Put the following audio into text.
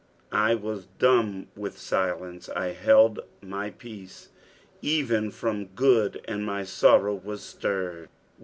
2 I was dumb with silence, I held my peace, even from good ; and my sorrow was stirred.